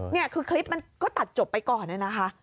นี่คือคลิปมันก็ตัดจบไปก่อนเลยนะคะ